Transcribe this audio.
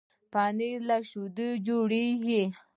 پنېر له شيدو جوړېږي.